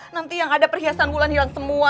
nanti yang ada perhiasan bulan hilang semua